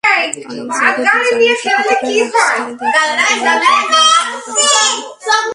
অনেক জায়গায় দু-চারজন শিক্ষার্থীকে রাস্তায় দেখা গেলেও তারা কাদা-পানিতে ভিজে একাকার।